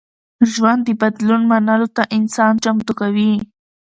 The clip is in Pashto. ژوند د بدلون منلو ته انسان چمتو کوي.